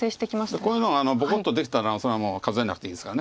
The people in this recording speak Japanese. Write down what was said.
こういうのがボコッとできたらそれはもう数えなくていいですから。